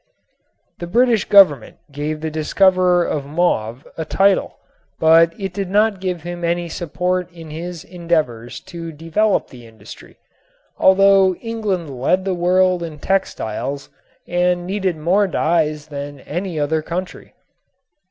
The British Government gave the discoverer of mauve a title, but it did not give him any support in his endeavors to develop the industry, although England led the world in textiles and needed more dyes than any other country.